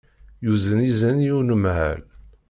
Yuzen izen i unemhal.